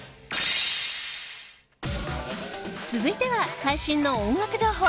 続いては最新の音楽情報。